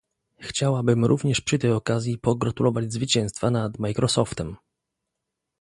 Chciałabym również przy tej okazji pogratulować zwycięstwa nad Microsoftem